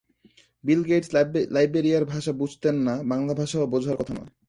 বিল Gates লাইবেরিয়ার ভাষা বুঝতেন না, বাংলা ভাষাও বোঝার কথা নয়।